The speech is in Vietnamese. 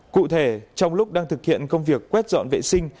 cụ thể trong lúc đang thực hiện công việc quét dọn vệ sinh